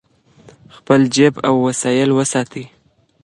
خپل جیب او وسایل وساتئ.